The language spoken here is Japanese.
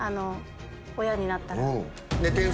親になったら。